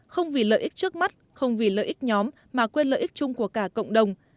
không vì lợi ích trước mắt không vì lợi ích nhóm mà quyền lợi ích chung của cả cộng đồng